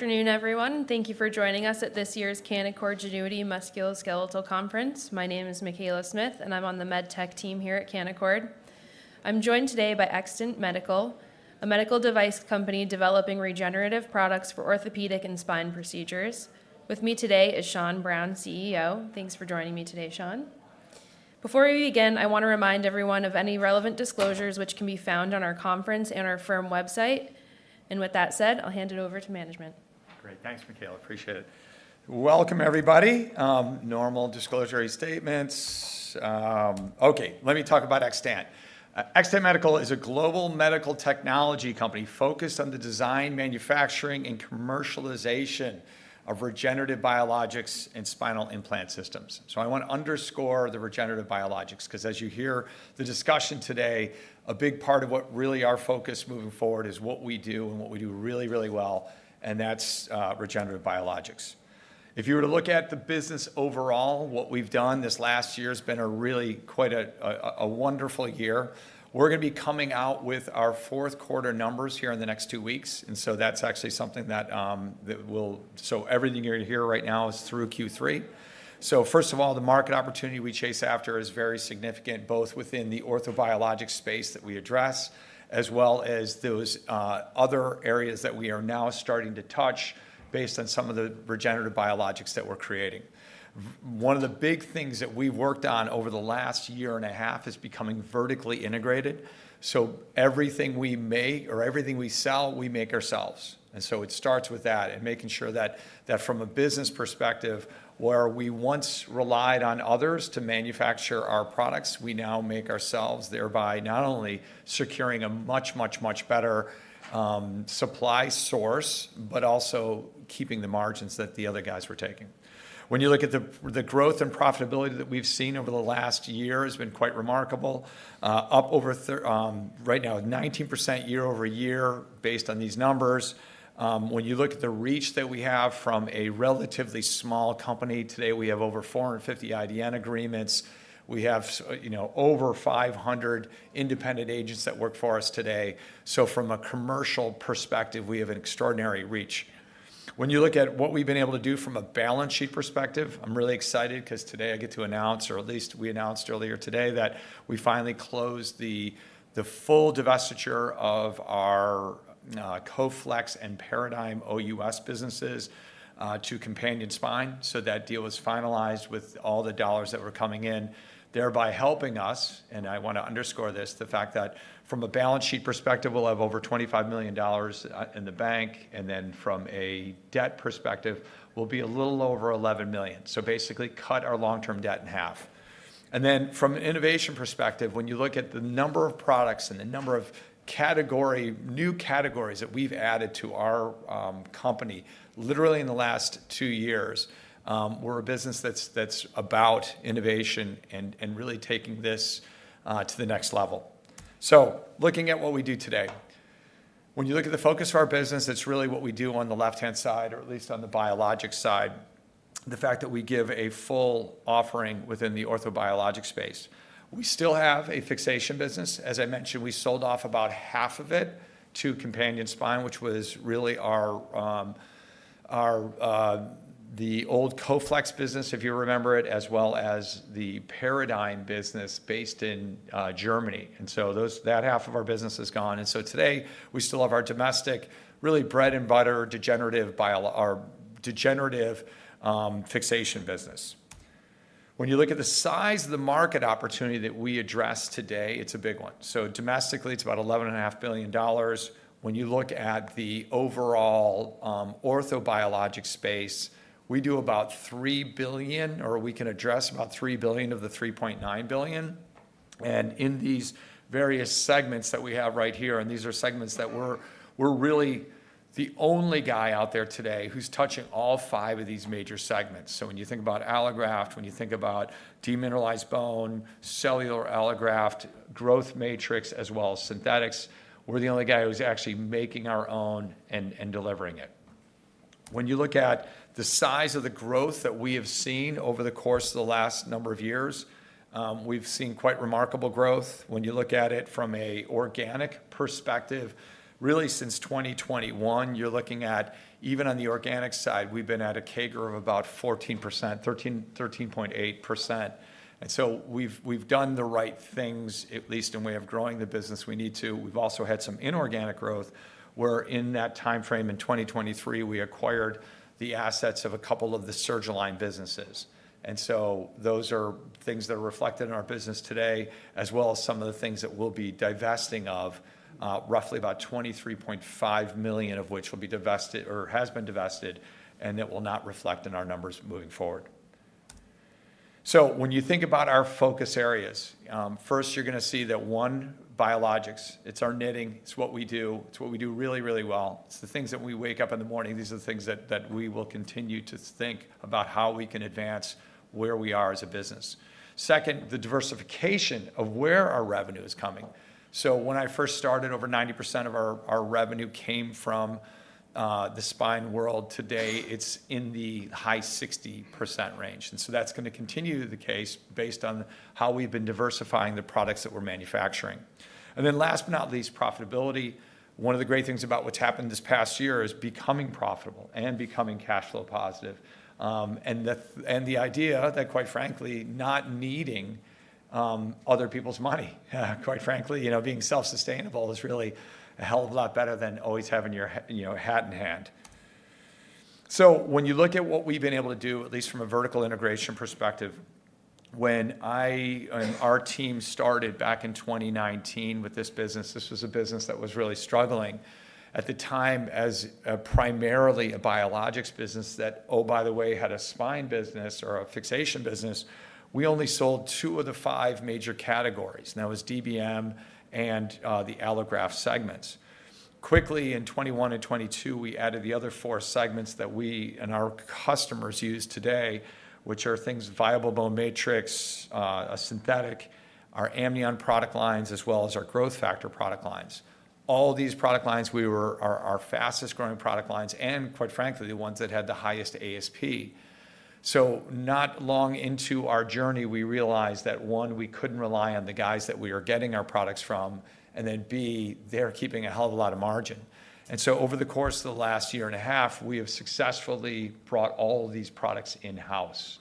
Afternoon, everyone. Thank you for joining us at this year's Canaccord Genuity Musculoskeletal Conference. My name is Michaela Smith, and I'm on the med tech team here at Canaccord. I'm joined today by Xtant Medical, a medical device company developing regenerative products for orthopedic and spine procedures. With me today is Sean Browne, CEO. Thanks for joining me today, Sean. Before we begin, I wanna remind everyone of any relevant disclosures which can be found on our conference and our firm website. With that said, I'll hand it over to management. Great. Thanks, Michaela. Appreciate it. Welcome, everybody. Normal disclosure statements. Okay, let me talk about Xtant Medical. Xtant Medical is a global medical technology company focused on the design, manufacturing, and commercialization of regenerative biologics and spinal implant systems. I wanna underscore the regenerative biologics, 'cause as you hear the discussion today, a big part of what really our focus moving forward is what we do and what we do really, really well, and that's regenerative biologics. If you were to look at the business overall, what we've done this last year has been a really quite a wonderful year. We're gonna be coming out with our Q4 numbers here in the next two weeks, and so that's actually something that we'll. Everything you're gonna hear right now is through Q3. First of all, the market opportunity we chase after is very significant, both within the orthobiologic space that we address, as well as those other areas that we are now starting to touch based on some of the regenerative biologics that we're creating. One of the big things that we worked on over the last year and a half is becoming vertically integrated. Everything we make or everything we sell, we make ourselves. It starts with that and making sure that from a business perspective, where we once relied on others to manufacture our products, we now make ourselves, thereby not only securing a much, much, much better supply source, but also keeping the margins that the other guys were taking. You look at the growth and profitability that we've seen over the last year has been quite remarkable, up over 19% year-over-year based on these numbers. You look at the reach that we have from a relatively small company, today we have over 450 IDN agreements. We have, you know, over 500 independent agents that work for us today. From a commercial perspective, we have an extraordinary reach. You look at what we've been able to do from a balance sheet perspective, I'm really excited 'cause today I get to announce, or at least we announced earlier today that we finally closed the full divestiture of our Coflex and Paradigm OUS businesses to Companion Spine. That deal was finalized with all the dollars that were coming in, thereby helping us, and I wanna underscore this, the fact that from a balance sheet perspective, we'll have over $25 million in the bank, and then from a debt perspective, we'll be a little over $11 million. Basically cut our long-term debt in half. From an innovation perspective, when you look at the number of products and the number of new categories that we've added to our company literally in the last two years, we're a business that's about innovation and really taking this to the next level. Looking at what we do today. When you look at the focus of our business, it's really what we do on the left-hand side, or at least on the biologics side, the fact that we give a full offering within the orthobiologic space. We still have a fixation business. As I mentioned, we sold off about half of it to Companion Spine, which was really our the old Coflex business, if you remember it, as well as the Paradigm business based in Germany. That half of our business is gone. Today, we still have our domestic really bread-and-butter degenerative fixation business. When you look at the size of the market opportunity that we address today, it's a big one. Domestically, it's about $11.5 billion. When you look at the overall orthobiologic space, we do about $3 billion, or we can address about $3 billion of the $3.9 billion. In these various segments that we have right here, and these are segments that we're really the only guy out there today who's touching all five of these major segments. When you think about allograft, when you think about demineralized bone, cellular allograft, growth matrix, as well as synthetics, we're the only guy who's actually making our own and delivering it. When you look at the size of the growth that we have seen over the course of the last number of years, we've seen quite remarkable growth. When you look at it from an organic perspective, really since 2021, you're looking at, even on the organic side, we've been at a CAGR of about 14%, 13.8%. We've done the right things, at least in way of growing the business we need to. We've also had some inorganic growth, where in that timeframe in 2023, we acquired the assets of a couple of the Surgiline businesses. Those are things that are reflected in our business today, as well as some of the things that we'll be divesting of, roughly about $23.5 million of which will be divested or has been divested, and that will not reflect in our numbers moving forward. When you think about our focus areas, first you're gonna see that, one, biologics, it's our knitting, it's what we do, it's what we do really, really well. It's the things that we wake up in the morning. These are the things that we will continue to think about how we can advance where we are as a business. Second, the diversification of where our revenue is coming. When I first started, over 90% of our revenue came from the spine world. Today, it's in the high 60% range. That's gonna continue to be the case based on how we've been diversifying the products that we're manufacturing. Last but not least, profitability. One of the great things about what's happened this past year is becoming profitable and becoming cash flow positive, and the idea that quite frankly, not needing other people's money, quite frankly, you know, being self-sustainable is really a hell of a lot better than always having your you know, hat in hand. When you look at what we've been able to do, at least from a vertical integration perspective, when I and our team started back in 2019 with this business, this was a business that was really struggling. At the time, as primarily a biologics business that, oh, by the way, had a spine business or a fixation business, we only sold two of the five major categories, and that was DBM and the allograft segments. Quickly in 2021 and 2022, we added the other four segments that we and our customers use today, which are things viable bone matrix, a synthetic, our amnion product lines, as well as our growth factor product lines. All these product lines we are our fastest-growing product lines and quite frankly, the ones that had the highest ASP. Not long into our journey, we realized that, one, we couldn't rely on the guys that we were getting our products from, and then B, they're keeping a hell of a lot of margin. Over the course of the last 1.5 years, we have successfully brought all of these products in-house.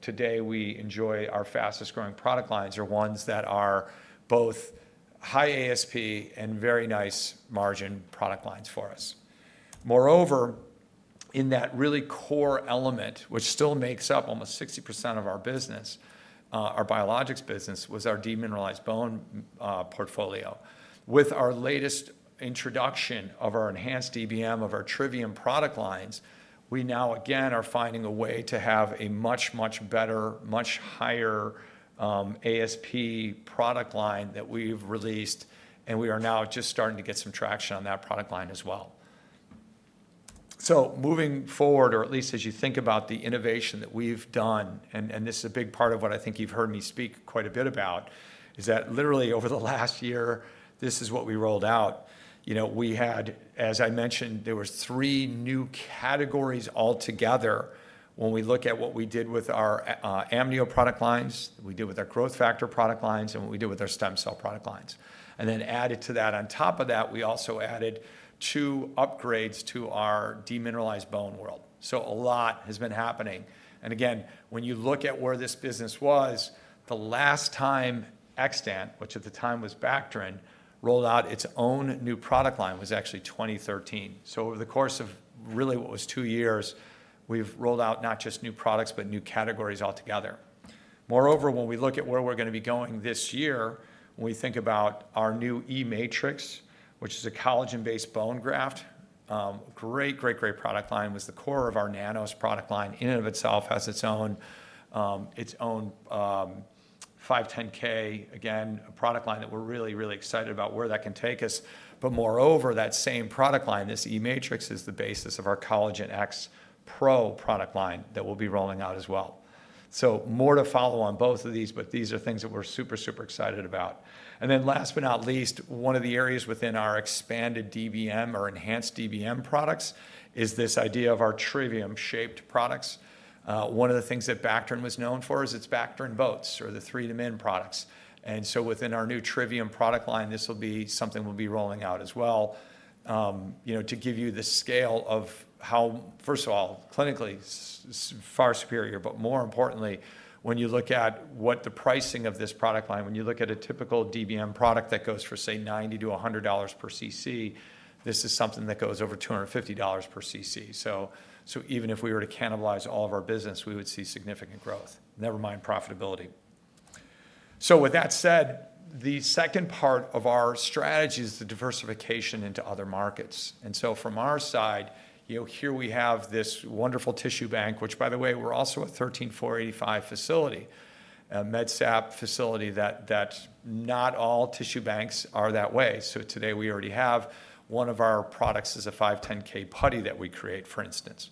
Today, we enjoy our fastest-growing product lines are ones that are both high ASP and very nice margin product lines for us. Moreover, in that really core element, which still makes up almost 60% of our business, our biologics business, was our demineralized bone portfolio. With our latest introduction of our enhanced DBM, of our Trivium product lines, we now again are finding a way to have a much, much better, much higher, ASP product line that we've released, and we are now just starting to get some traction on that product line as well. Moving forward, or at least as you think about the innovation that we've done, and this is a big part of what I think you've heard me speak quite a bit about, is that literally over the last year, this is what we rolled out. You know, we had, as I mentioned, there were three new categories altogether when we look at what we did with our amnion product lines, what we did with our growth factor product lines, and what we did with our stem cell product lines. Added to that, on top of that, we also added two upgrades to our demineralized bone world. A lot has been happening. Again, when you look at where this business was the last time Xtant, which at the time was Bacterin, rolled out its own new product line was actually 2013. Over the course of really what was two years, we've rolled out not just new products, but new categories altogether. When we look at where we're gonna be going this year, when we think about our new E-Matrix, which is a collagen-based bone graft, great, great product line. Was the core of our Nanos product line in and of itself, has its own, its own 510(k). Again, a product line that we're really, really excited about where that can take us. Moreover, that same product line, this E-Matrix, is the basis of our Collagen X Pro product line that we'll be rolling out as well. More to follow on both of these, but these are things that we're super excited about. Last but not least, one of the areas within our expanded DBM or enhanced DBM products is this idea of our Trivium-shaped products. One of the things that Bacterin was known for is its Bacterin boats or the 3Demin products. Within our new Trivium product line, this will be something we'll be rolling out as well. You know, to give you the scale of how, first of all, clinically far superior, but more importantly, when you look at what the pricing of this product line, when you look at a typical DBM product that goes for, say, $90 to $100 per cc, this is something that goes over $250 per cc. Even if we were to cannibalize all of our business, we would see significant growth, never mind profitability. With that said, the second part of our strategy is the diversification into other markets. From our side, you know, here we have this wonderful tissue bank, which by the way, we're also a 13485 facility, a MDSAP facility that not all tissue banks are that way. Today we already have one of our products is a 510(k) putty that we create, for instance.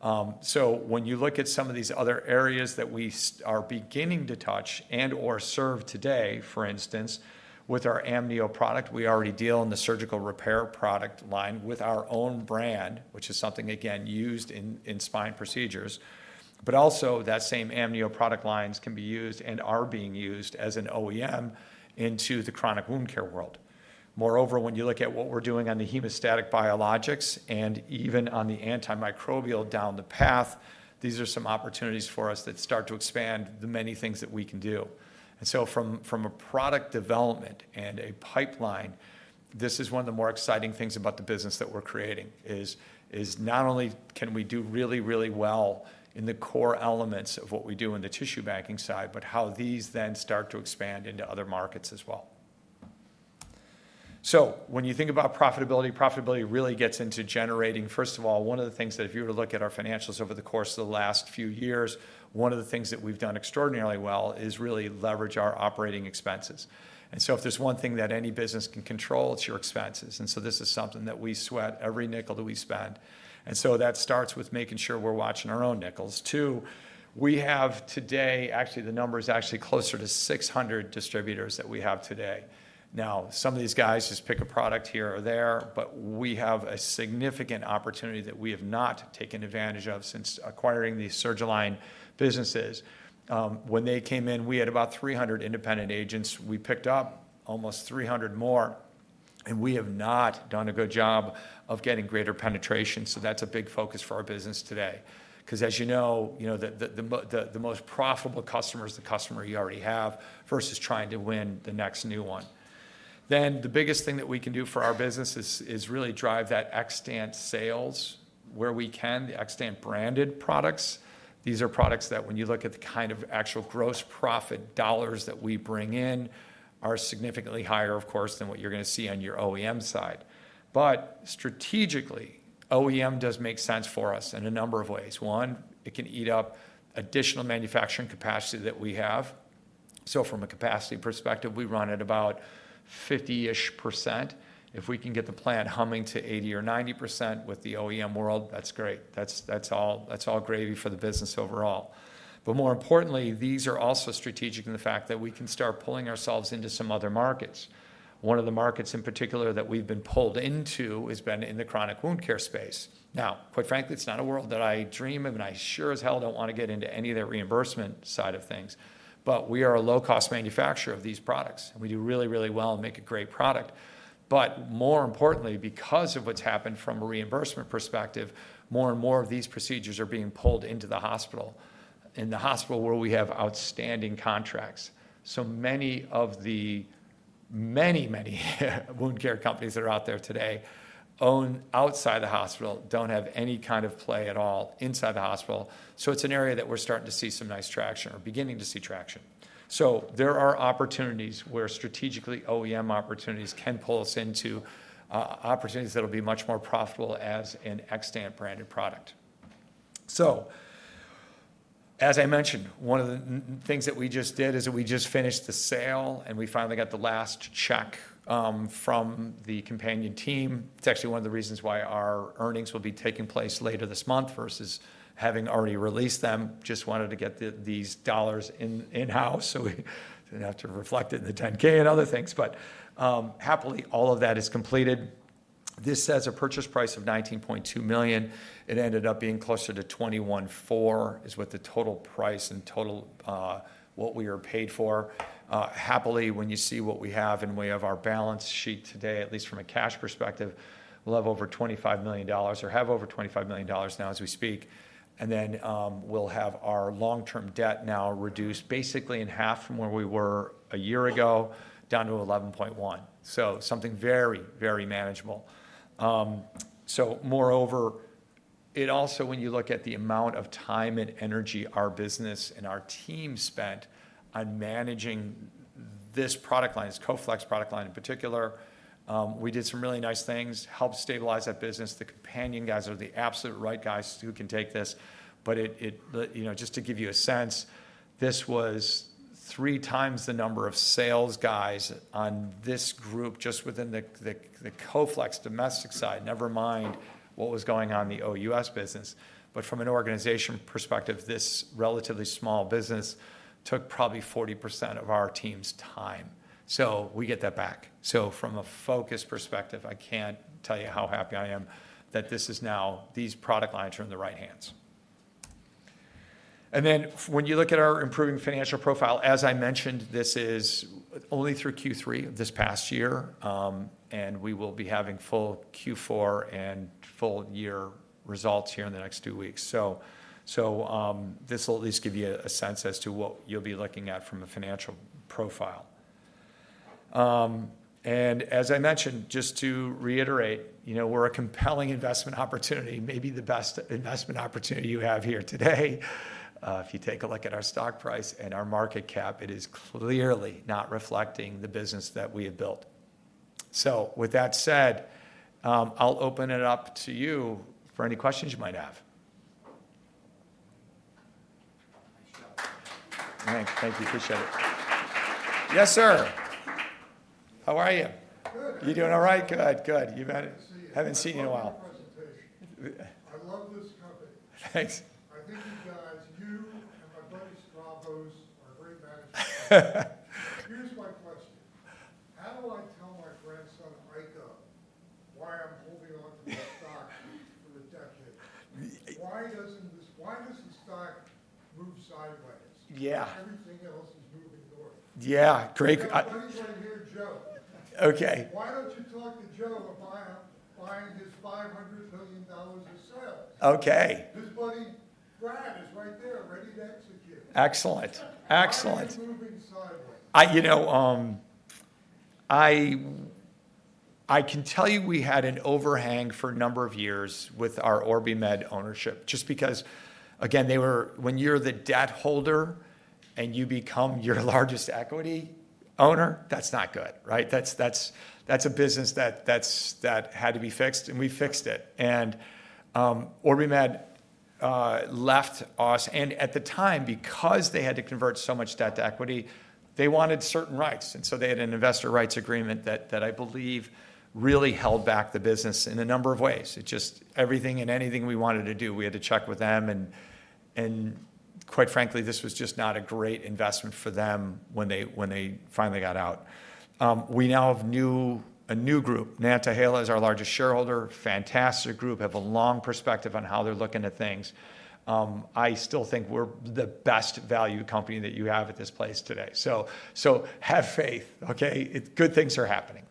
When you look at some of these other areas that we are beginning to touch and/or serve today, for instance, with our amnion product, we already deal in the surgical repair product line with our own brand, which is something, again, used in spine procedures. Also that same amnion product lines can be used and are being used as an OEM into the chronic wound care world. Moreover, when you look at what we're doing on the hemostatic biologics and even on the antimicrobial down the path, these are some opportunities for us that start to expand the many things that we can do. From a product development and a pipeline, this is one of the more exciting things about the business that we're creating, is not only can we do really, really well in the core elements of what we do in the tissue banking side, but how these then start to expand into other markets as well. When you think about profitability really gets into generating... First of all, one of the things that if you were to look at our financials over the course of the last few years, one of the things that we've done extraordinarily well is really leverage our operating expenses. If there's one thing that any business can control, it's your expenses. This is something that we sweat every nickel that we spend. That starts with making sure we're watching our own nickels. Two, we have today, actually, the number is actually closer to 600 distributors that we have today. Some of these guys just pick a product here or there, but we have a significant opportunity that we have not taken advantage of since acquiring the Surgiline businesses. When they came in, we had about 300 independent agents. We picked up almost 300 more, and we have not done a good job of getting greater penetration. That's a big focus for our business today because as you know, the most profitable customer is the customer you already have versus trying to win the next new one. The biggest thing that we can do for our business is really drive that Xtant sales where we can, the Xtant branded products. These are products that when you look at the kind of actual gross profit dollars that we bring in are significantly higher, of course, than what you're gonna see on your OEM side. Strategically, OEM does make sense for us in a number of ways. One, it can eat up additional manufacturing capacity that we have. From a capacity perspective, we run at about 50-ish%. If we can get the plant humming to 80% or 90% with the OEM world, that's great. That's all gravy for the business overall. More importantly, these are also strategic in the fact that we can start pulling ourselves into some other markets. One of the markets in particular that we've been pulled into has been in the chronic wound care space. Now, quite frankly, it's not a world that I dream of, and I sure as hell don't wanna get into any of that reimbursement side of things. We are a low-cost manufacturer of these products, and we do really, really well and make a great product. More importantly, because of what's happened from a reimbursement perspective, more and more of these procedures are being pulled into the hospital, in the hospital where we have outstanding contracts. Many of the many wound care companies that are out there today own outside the hospital, don't have any kind of play at all inside the hospital. It's an area that we're starting to see some nice traction or beginning to see traction. There are opportunities where strategically OEM opportunities can pull us into opportunities that'll be much more profitable as an Xtant branded product. As I mentioned, one of the things that we just did is that we just finished the sale, and we finally got the last check from the Companion team. It's actually one of the reasons why our earnings will be taking place later this month versus having already released them. Just wanted to get these dollars in-house, so we didn't have to reflect it in the 10-K and other things. Happily, all of that is completed. This says a purchase price of $19.2 million. It ended up being closer to $21.4 is what the total price and total what we are paid for. Happily, when you see what we have in way of our balance sheet today, at least from a cash perspective, we'll have over $25 million or have over $25 million now as we speak. We'll have our long-term debt now reduced basically in half from where we were a year ago down to $11.1. Something very, very manageable. Moreover, it also, when you look at the amount of time and energy our business and our team spent on managing this product line, this Coflex product line in particular, we did some really nice things, helped stabilize that business. You know, just to give you a sense, this was three times the number of sales guys on this group just within the Coflex domestic side, never mind what was going on in the OUS business. From an organization perspective, this relatively small business took probably 40% of our team's time. We get that back. From a focus perspective, I can't tell you how happy I am that these product lines are in the right hands. When you look at our improving financial profile, as I mentioned, this is only through Q3 of this past year, and we will be having full Q4 and full year results here in the next two weeks. So, this will at least give you a sense as to what you'll be looking at from a financial profile. As I mentioned, just to reiterate, you know, we're a compelling investment opportunity, maybe the best investment opportunity you have here today. If you take a look at our stock price and our market cap, it is clearly not reflecting the business that we have built. With that said, I'll open it up to you for any questions you might have. Thank you. Appreciate it. Yes, sir. How are you? Good. You doing all right? Good. Good. I haven't seen you. Haven't seen you in a while. I love your presentation. I love this company. Thanks. I think you guys, you and my buddy Stavros are great management. Here's my question: How do I tell my grandson, Aiko, why I'm holding on to this stock for a decade? The- Why does the stock move sideways? Yeah. Everything else is moving north. Yeah. Craig, Is anybody here Joe? Okay. Why don't you talk to Joe about buying his $500 million of sales? Okay. His buddy Brad is right there ready to execute. Excellent. Excellent. Why is it moving sideways? You know, I can tell you we had an overhang for a number of years with our OrbiMed ownership just because, again, when you're the debt holder, you become your largest equity owner, that's not good, right? That's a business that had to be fixed, and we fixed it. OrbiMed left us. At the time, because they had to convert so much debt to equity, they wanted certain rights. They had an investor rights agreement that I believe really held back the business in a number of ways. It just, everything and anything we wanted to do, we had to check with them. Quite frankly, this was just not a great investment for them when they finally got out. We now have a new group. Nantahala is our largest shareholder, fantastic group, have a long perspective on how they're looking at things. I still think we're the best value company that you have at this place today. Have faith, okay? Good things are happening.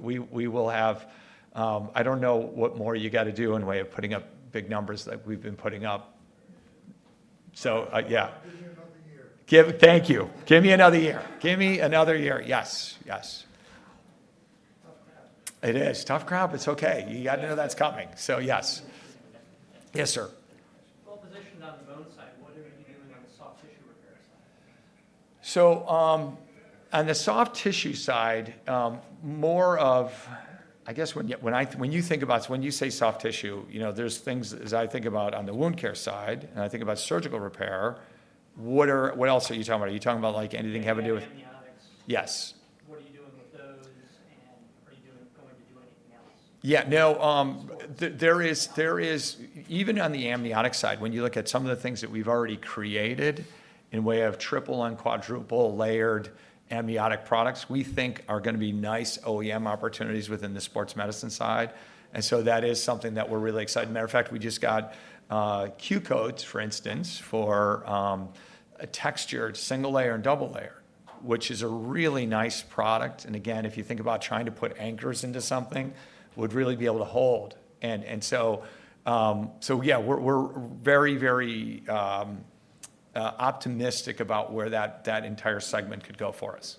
We will have, I don't know what more you gotta do in way of putting up big numbers that we've been putting up. Yeah. Give me another year. Thank you. Give me another year. Yes. Tough crowd. It is. Tough crowd, but it's okay. You gotta know that's coming. Yes. Yes, sir. Well-positioned on the bone side, what are you doing on the soft tissue repair side? On the soft tissue side, more of... I guess when you say soft tissue, you know, there's things as I think about on the wound care side, and I think about surgical repair. What else are you talking about? Are you talking about like anything having to do with- You have amniotics. Yes. What are you doing with those? Are you going to do anything else? Yeah. No, there is Even on the amniotic side, when you look at some of the things that we've already created in way of triple and quadruple layered amniotic products, we think are gonna be nice OEM opportunities within the sports medicine side. That is something that we're really excited. Matter of fact, we just got Q Codes, for instance, for a textured single layer and double layer, which is a really nice product. Again, if you think about trying to put anchors into something, would really be able to hold. So, yeah, we're very, very optimistic about where that entire segment could go for us.